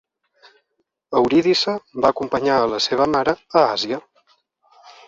Eurídice va acompanyar a la seva mare a Àsia.